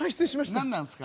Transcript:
何なんすか？